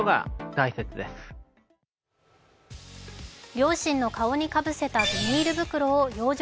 両親の顔にかぶせたビニール袋を養生